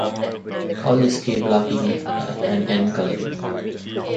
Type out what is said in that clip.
Call this "k-blocking" an n-coloring.